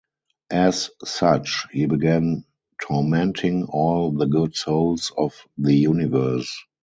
As such, he began tormenting all the good souls of the universe.